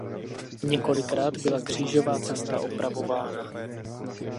Několikrát byla křížová cesta opravována.